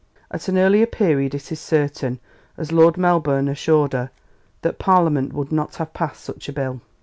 At an earlier period it is certain, as Lord Melbourne assured her, that Parliament would not have passed such a Bill.